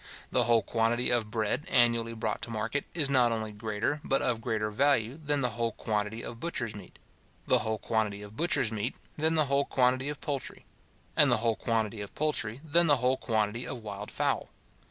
The whole quantity of bread annually brought to market, is not only greater, but of greater value, than the whole quantity of butcher's meat; the whole quantity of butcher's meat, than the whole quantity of poultry; and the whole quantity of poultry, than the whole quantity of wild fowl.